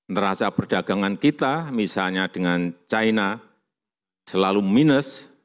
neraca perdagangan kita misalnya dengan china selalu minus